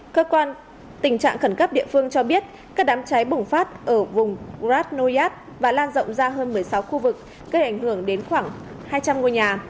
cơ quan tình trạng khẩn cấp địa phương cho biết các đám cháy bùng phát ở vùng grad noyad và lan rộng ra hơn một mươi sáu khu vực gây ảnh hưởng đến khoảng hai trăm linh ngôi nhà